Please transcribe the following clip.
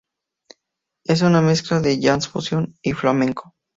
Es una mezcla de Jazz fusión y flamenco.